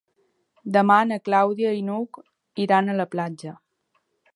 Demà na Clàudia i n'Hug iran a la platja.